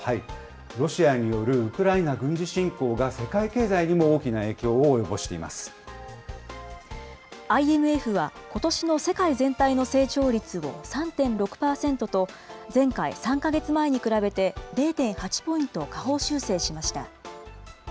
ロシアによるウクライナ軍事侵攻が世界経済にも大きな影響をＩＭＦは、ことしの世界全体の経済成長率を３．６％と、前回・３か月前に比べて、０．８ポイント下方修正しました。